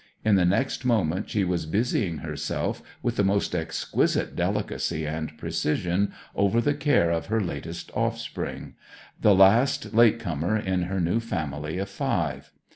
In the next moment she was busying herself, with the most exquisite delicacy and precision, over the care of her latest offspring; the last late comer in her new family of five.